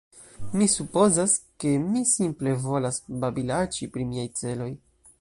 Mi supozas, ke mi simple volas babilaĉi pri miaj celoj.